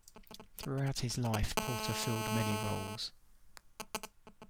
Throughout his life, Porter filled many roles.